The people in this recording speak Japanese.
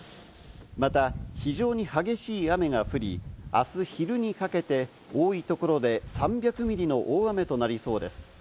また非常に激しい雨が降り、明日、昼にかけて多いところで３００ミリの大雨となりそうです。